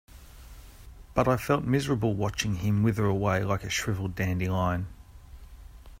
But I felt miserable watching him wither away like a shriveled dandelion.